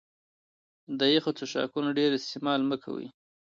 د يخو څښاکونو ډېر استعمال مه کوه